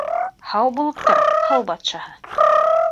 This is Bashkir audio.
— Һау булып тор, Һыу батшаһы!